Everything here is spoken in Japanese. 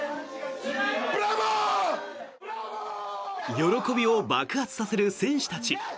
喜びを爆発させる選手たち。